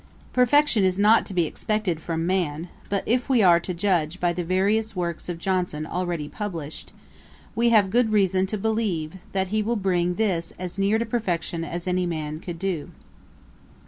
Perfection is not to be expected from man; but if we are to judge by the various works of Johnson already published, we have good reason to believe, that he will bring this as near to perfection as any man could do.